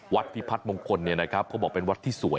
พิพัฒนมงคลเนี่ยนะครับเขาบอกเป็นวัดที่สวย